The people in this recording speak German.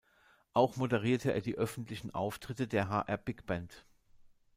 Auch moderierte er die öffentlichen Auftritte der hr-Bigband.